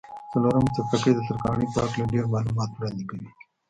څلورم څپرکی د ترکاڼۍ په هکله ډېر معلومات وړاندې کوي.